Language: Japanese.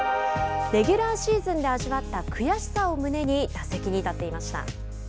レギュラーシーズンで味わった悔しさを胸に打席に立っていました。